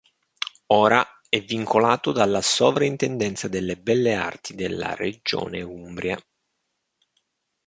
Ora è vincolato dalla Sovrintendenza delle Belle Arti della Regione Umbria.